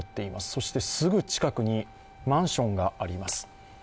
そしてすぐ近くにマンションがあります。